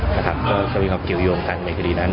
และเกี่ยวยงกันในคดีนั้น